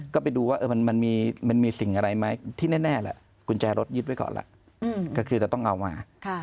ก็ไปดูว่ามันมีสิ่งอะไรไหมที่แน่แหละกุญแจรถยึดไว้ก่อนล่ะก็คือจะต้องเอามา